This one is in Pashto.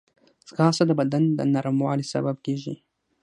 ځغاسته د بدن د نرموالي سبب کېږي